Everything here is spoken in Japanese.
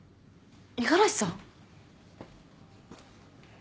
五十嵐さん？